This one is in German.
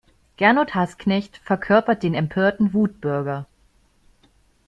Gernot Hassknecht verkörpert den empörten Wutbürger.